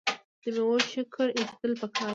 د میوو شکر ایستل پکار دي.